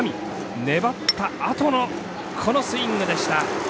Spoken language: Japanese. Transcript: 粘ったあとのスイングでした。